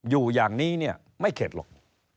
อยู่อย่างนี้เนี่ยไม่เข็ดหรอก